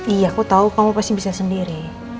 iya aku tahu kamu pasti bisa sendiri